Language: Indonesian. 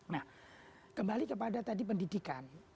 nah kembali kepada tadi pendidikan